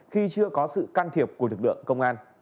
khi chưa có sự can thiệp của lực lượng công an